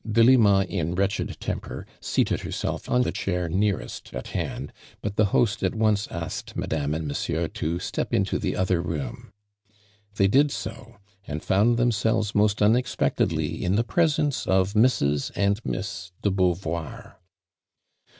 Delima in wretched temper seated herself on the chair nearest at hand, but the host at once asked Madame and Monsieur to step into the other i oom. They did so, and ibund themselves most unexpectedly in t)ie presence of Mrs. and Miss deBeauvoir.